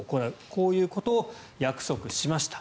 こういうことを約束しました。